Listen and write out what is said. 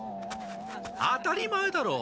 当たり前だろう。